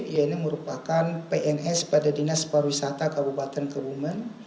yang merupakan pns pada dinas pariwisata kabupaten kebumen